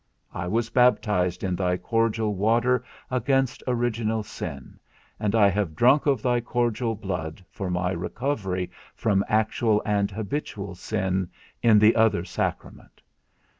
I was baptized in thy cordial water against original sin, and I have drunk of thy cordial blood, for my recovery from actual and habitual sin, in the other sacrament.